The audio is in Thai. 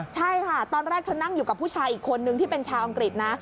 ใช่ค่ะตอนแรกเธอนั่งอยู่กับผู้ชายอีกคนนึงที่เป็นชาวอังกฤษนะ